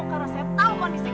karena saya tau kondisi kamu